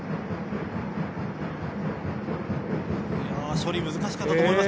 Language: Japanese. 処理が難しかったと思います。